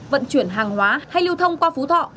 vận chuyển hàng hóa hay lưu thông qua phú thọ